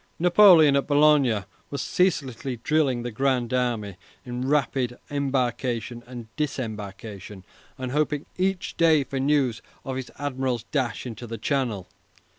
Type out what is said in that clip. Napoleon, at Boulogne, was ceaselessly drilling the Grand Army in rapid embarkation and disembarkation, and hoping each day for news of his admiral's dash into the Channel.